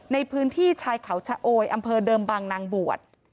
ในพื้นที่ชายเขาชะโอยอำเภอเดิมบางนางบวช